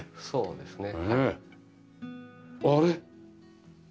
そうですね。